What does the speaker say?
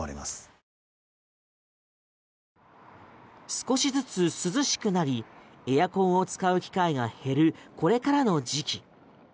少しずつ涼しくなりエアコンを使う機会が減るこれからの時期。